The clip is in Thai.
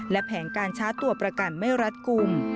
และแผนการช้าตัวประกันไม่รัดกลุ่ม